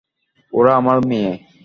ওরা আমার মেয়ে।